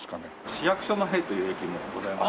市役所前という駅もございます。